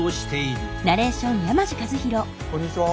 こんにちは。